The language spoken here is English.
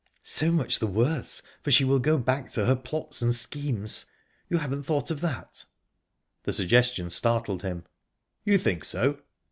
"So much the worse, for she will go back to her plots and schemes. You haven't thought of that?" The suggestion startled him. "You think so?"